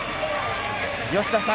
吉田さん